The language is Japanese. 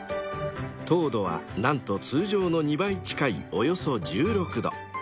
［糖度は何と通常の２倍近いおよそ１６度］